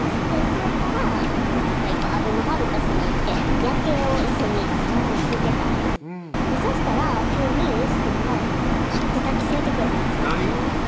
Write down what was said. それから最後あべのハルカスに行って夜景を一緒に見てたんですそしたら急によしくんがばって抱き締めてくれたんですよなに？